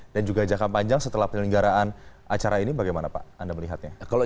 dan juga jangka panjang setelah penyelenggaraan acara ini bagaimana pak anda melihatnya kalau